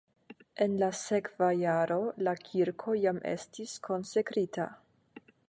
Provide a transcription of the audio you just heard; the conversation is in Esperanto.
En la sekva jaro la kirko jam estis konsekrita.